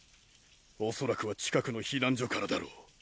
恐らくは近くの避難所からだろう。